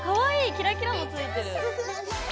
キラキラもついてる。